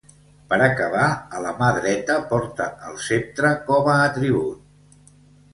Per acabar, a la mà dreta porta el ceptre, com a atribut.